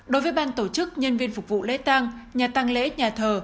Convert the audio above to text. đối với ban tổ chức nhân viên phục vụ lễ tăng nhà tăng lễ nhà thờ